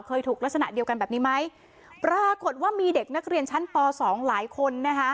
เคยถูกลักษณะเดียวกันแบบนี้ไหมปรากฏว่ามีเด็กนักเรียนชั้นปสองหลายคนนะคะ